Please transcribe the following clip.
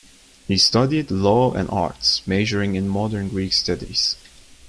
He studied law and arts, majoring in Modern Greek studies.